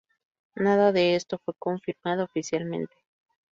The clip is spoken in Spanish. Nada de esto fue confirmado oficialmente.